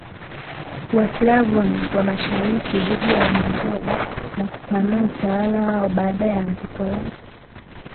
Waslavoni wa Mashariki dhidi ya Wamongolia na kupanua utawala waoBaada ya anguko la